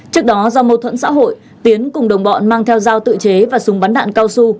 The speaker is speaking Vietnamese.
trước đó do mâu thuẫn xã hội tiến cùng đồng bọn mang theo dao tự chế và súng bắn đạn cao su